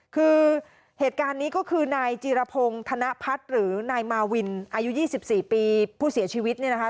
คือเห็ดการณ์นี้ก็คือนายจิรพงธนพัทธิ์หรือนายมาวินอายุยี่สิบสี่ปีผู้เสียชีวิตเนี่ยนะคะ